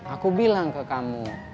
aku bilang ke kamu